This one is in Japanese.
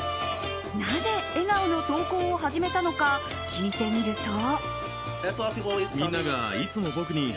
なぜ笑顔の投稿を始めたのか聞いてみると。